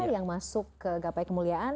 yang masuk ke gapai kemuliaan